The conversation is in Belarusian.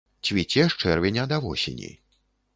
Цвіце з чэрвеня да восені.